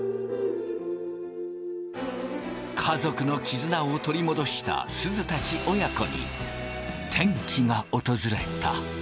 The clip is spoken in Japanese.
家族の絆を取り戻したすずたち親子に転機が訪れた。